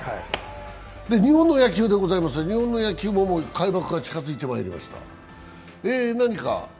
日本の野球でございますが、日本の野球ももう開幕が近づいてまいりました。